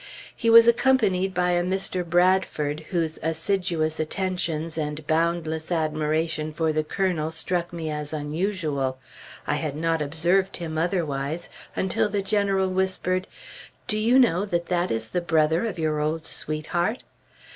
He was accompanied by a Mr. Bradford, whose assiduous attentions and boundless admiration for the Colonel struck me as unusual.... I had not observed him otherwise, until the General whispered, "Do you know that that is the brother of your old sweetheart?"